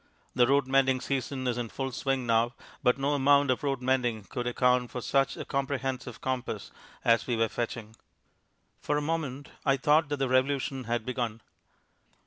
The road mending season is in full swing now, but no amount of road mending could account for such a comprehensive compass as we were fetching. For a moment I thought that the revolution had begun.